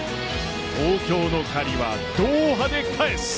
東京の借りはドーハで返す。